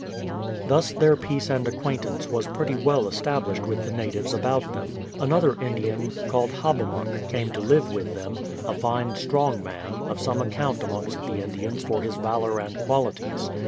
Thus their peace and acquaintance was pretty well es tablished with the natives about them. Another Indian, called Hobbamok came to live with them, a fine strong man, of some account amongst the Indians for his valour and qualities.